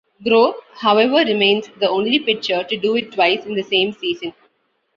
Grove, however, remains the only pitcher to do it twice in the same season.